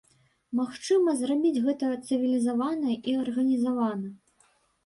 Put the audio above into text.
Магчыма зрабіць гэта цывілізавана і арганізавана.